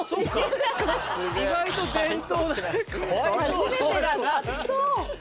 初めてが納豆。